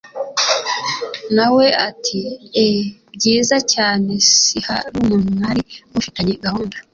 nawe ati eeeeh!byiza cyane! siharumuntu mwari mufitanye gahunda!